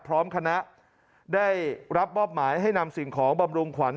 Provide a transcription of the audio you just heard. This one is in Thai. พร้อมคณะได้รับมอบหมายให้นำสิ่งของบำรุงขวัญ